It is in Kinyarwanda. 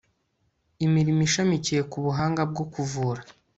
imirimo ishamikiye ku buhanga bwo kuvura